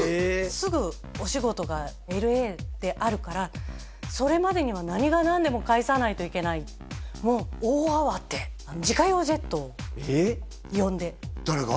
すぐお仕事がＬＡであるからそれまでには何が何でも帰さないといけないもう大慌て自家用ジェットを呼んで誰が？